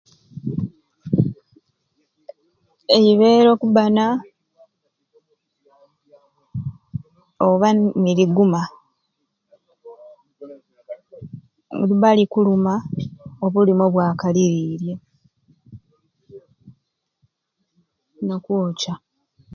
Eibeere okubaana oba niriguma liba likuluma obulumi obwakalirirye nokwokya.